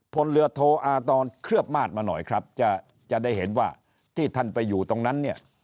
พลเรือโทอาตอนเคลือบมาดมาหน่อยครับจะได้เห็นว่าที่ท่านไปอยู่ตรงนั้นเนี่ย